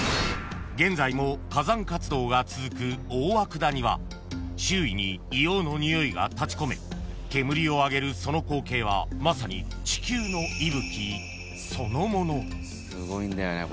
［現在も火山活動が続く大涌谷は周囲に硫黄のにおいが立ちこめ煙を上げるその光景はまさに地球の息吹そのもの］